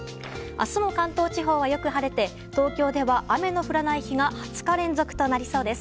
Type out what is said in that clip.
明日も関東地方はよく晴れて東京では雨の降らない日が２０日連続となりそうです。